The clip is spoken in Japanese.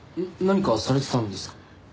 何かされてたんですか？